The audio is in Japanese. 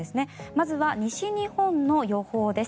まずは西日本の予報です。